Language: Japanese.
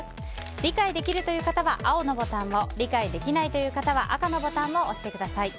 理解できるという方は青のボタン理解できないという方は赤のボタンを押してください。